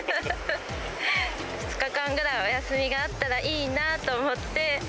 ２日間ぐらいお休みがあったらいいなと思って。